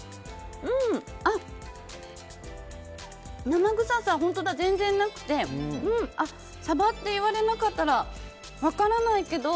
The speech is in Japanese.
生臭さ全然なくてサバって言われなかったら分からないけど。